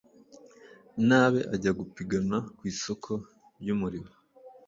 nabe ajya gupigana ku isoko ry’umurimo